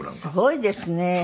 すごいですね。